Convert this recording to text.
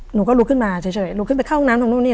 หนูก็ลุกขึ้นมาเฉยลุกขึ้นไปเข้าห้องน้ำตรงนู่นนี่